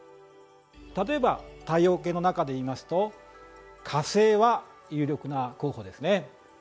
例えば太陽系の中でいいますと火星は有力な候補ですね。